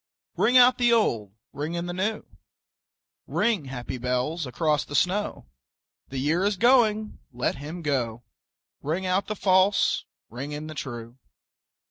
Ring out the old, ring in the new, Ring, happy bells, across the snow: The year is going, let him go; Ring out the false, ring in the true.